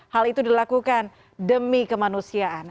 hal itu dilakukan demi kemanusiaan